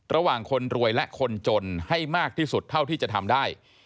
ระหว่างคนรวยและคนจนให้มากที่สุดเท่าที่จะทำได้